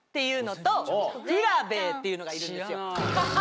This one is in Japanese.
っていうのがいるんですよ。